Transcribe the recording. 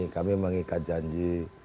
kami mengikat janji